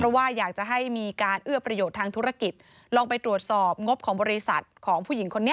เพราะว่าอยากจะให้มีการเอื้อประโยชน์ทางธุรกิจลองไปตรวจสอบงบของบริษัทของผู้หญิงคนนี้